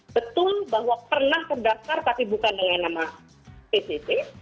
betul bahwa pernah terdaftar tapi bukan dengan nama pct